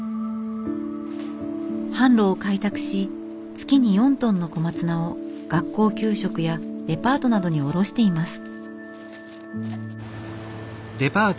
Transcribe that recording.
販路を開拓し月に４トンの小松菜を学校給食やデパートなどに卸しています。